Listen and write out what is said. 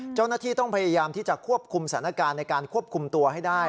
เจ้าหน้าที่ต้องพยายามที่จะควบคุมสถานการณ์ในการควบคุมตัวให้ได้